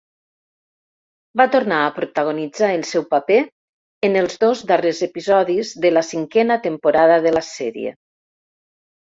Va tornar a protagonitzar el seu paper en els dos darrers episodis de la cinquena temporada de la sèrie.